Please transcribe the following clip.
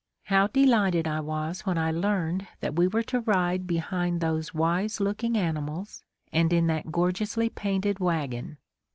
How delighted I was when I learned that we were to ride behind those wise looking animals and in that gorgeously painted wagon!